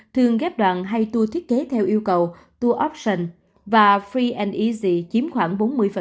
thường ghép đoạn hay tour thiết kế theo yêu cầu tour option và free and easy chiếm khoảng bốn mươi